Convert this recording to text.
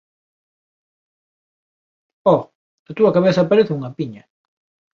O, a túa cabeza parece unha piña.